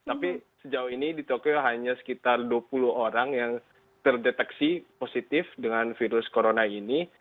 tapi sejauh ini di tokyo hanya sekitar dua puluh orang yang terdeteksi positif dengan virus corona ini